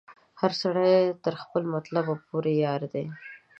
هر سړی خپل تر مطلب پوري یار دی